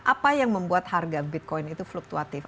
apa yang membuat harga bitcoin itu fluktuatif